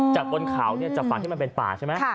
จากบนเขาเนี่ยจากฝั่งที่มันเป็นป่าใช่ไหม